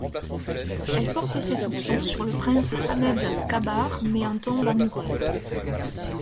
Elle porte ses soupçons sur le prince Ahmed Kabar mais en tombe amoureuse...